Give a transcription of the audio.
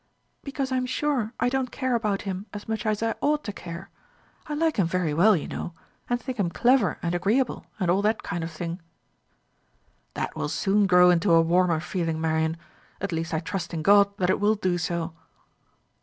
"Because I am sure I don't care about him as much as I ought to care. I like him very well, you know, and think him clever and agreeable, and all that kind of thing." "That will soon grow into a warmer feeling, Marian; at least I trust in God that it will do so."